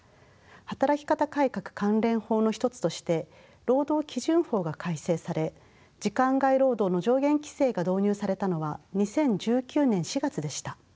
働き方改革関連法の一つとして労働基準法が改正され時間外労働の上限規制が導入されたのは２０１９年４月でした。